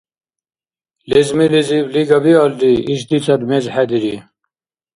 Лезмилизиб лига биалри, ишдицад мез хӀедири.